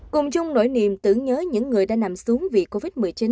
cùng chung nỗi niềm tưởng nhớ những người đã nằm xuống vì covid một mươi chín